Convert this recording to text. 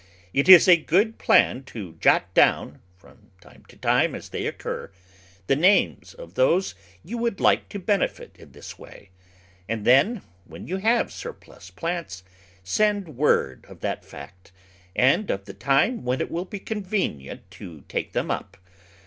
It is a good plan to jot down, from time to time as they occur, the names of those you would like to benefit in this way, and then, when you have surplus plants, send word of that fact, and of the time when it will be convenient to take them up.